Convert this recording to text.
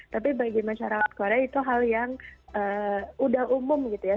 tapi bagi masyarakat korea itu hal yang udah umum gitu ya